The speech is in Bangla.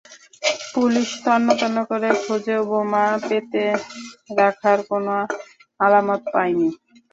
পুলিশ তন্ন তন্ন করে খুঁজেও বোমা পেতে রাখার কোনো আলামত পায়নি।